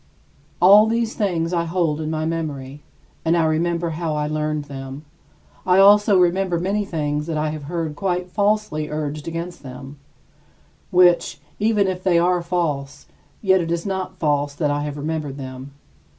All these things I hold in my memory, and I remember how I learned them. I also remember many things that I have heard quite falsely urged against them, which, even if they are false, yet it is not false that I have remembered them.